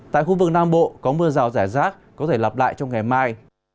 tại khu vực nam bộ có mưa rào rải rác có thể lặp lại trong ngày mai